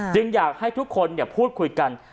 อยากให้ทุกคนพูดคุยกัน